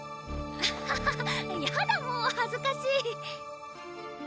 ハハハやだも恥ずかし。